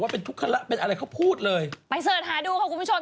ไปเซิร์ชหาดูครับคุณผู้ชม